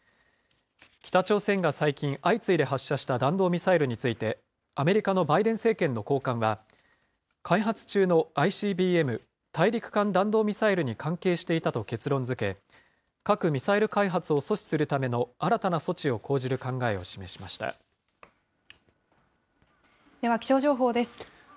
北朝鮮が最近、相次いで発射した弾道ミサイルについて、アメリカのバイデン政権の高官は、開発中のＩＣＢＭ・大陸間弾道ミサイルに関係していたと結論づけ、核・ミサイル開発を阻止するための新たな措置を講じる考えを示しでは気象情報です。